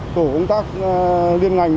tổ công tác liên ngành một một